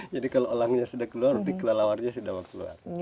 jadi kalau elangnya sudah keluar kelelawarnya sudah keluar